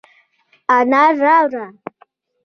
انار راوړه،